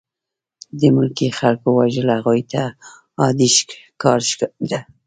د ملکي خلکو وژل هغوی ته عادي کار ښکارېده